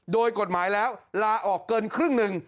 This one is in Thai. โดยกฎหมายแล้วลาออกเกินครึ่งหนึ่ง